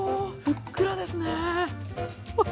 ふっくらですね。